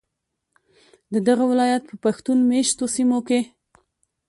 ددغه ولایت په پښتون میشتو سیمو کې